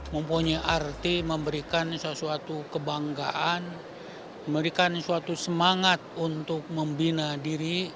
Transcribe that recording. mempunyai arti memberikan sesuatu kebanggaan memberikan suatu semangat untuk membina diri